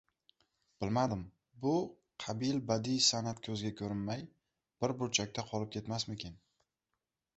Bilmadim, bu qabil badiiy san’at ko‘zga ko‘rinmay, bir burchakda qolib ketmasmikin?